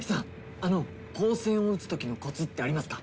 あの光線を撃つときのコツってありますか？